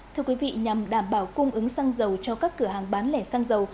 thưa quý vị nhằm đảm bảo cung ứng xăng dầu cho các cửa hàng bán lẻ xăng dầu